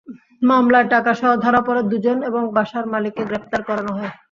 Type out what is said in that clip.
মামলায় টাকাসহ ধরা পড়া দুজন এবং বাসার মালিককে গ্রেপ্তার দেখানো হয়।